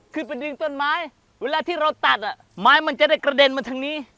ไปดึงต้นไม้เวลาที่เราตัดอ่ะไม้มันจะได้กระเด็นมาทางนี้